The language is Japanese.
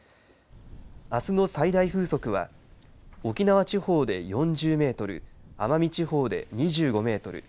あすの最大風速は沖縄地方で４０メートル奄美地方で２５メートル。